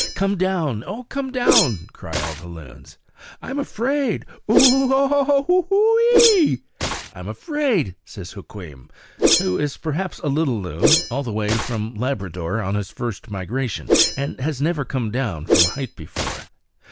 "Come down, O come down," cry all the loons. "I'm afraid, ooo ho ho ho ho hoooo eee, I'm afraid," says Hukweem, who is perhaps a little loon, all the way from Labrador on his first migration, and has never come down from a height before.